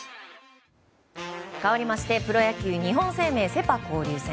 かわりましてプロ野球日本生命セ・パ交流戦。